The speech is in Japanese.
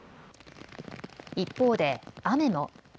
一方で雨も。